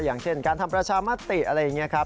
อย่างเช่นการทำประชามติอะไรอย่างนี้ครับ